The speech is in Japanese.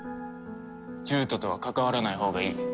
獣人とは関わらないほうがいい。